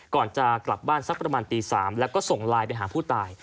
ก่อนจะกลับบ้านสักประมาณตี๓แล้วก็ส่งไลน์ไปหาผู้ตาย